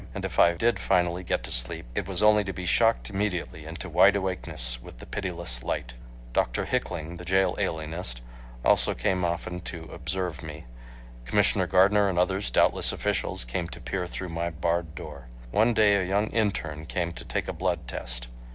And if I did finally get to sleep it was only to be shocked immediately into wide awakeness with the pitiless light. Dr. Hickling, the jail alienist, also came often to "observe" me. Commissioner Gardner and others—doubtless officials—came to peer through my barred door. One day a young interne came to take a blood test.